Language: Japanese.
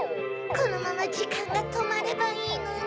このままじかんがとまればいいのに。